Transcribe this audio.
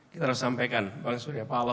kita harus sampaikan bangsa ini